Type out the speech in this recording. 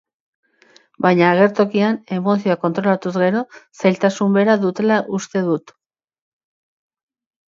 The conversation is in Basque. Baina agertokian emozioa kontrolatuz gero, zailtasun bera dutela uste dut.